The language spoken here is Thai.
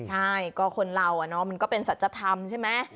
ใช่ก็คนเรามันก็เป็นสัจธรรมใช่ไหม